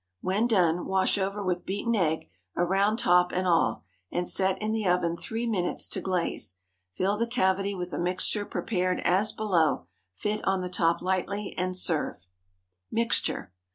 When done, wash over with beaten egg, around top and all, and set in the oven three minutes to glaze. Fill the cavity with a mixture prepared as below, fit on the top lightly, and serve. _Mixture.